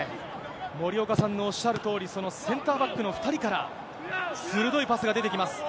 森岡さんのおっしゃるとおり、センターバックの２人から、鋭いパスが出てきます。